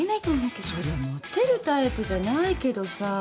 そりゃモテるタイプじゃないけどさ。